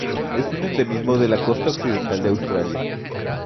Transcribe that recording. Es un endemismo de la costa occidental de Australia.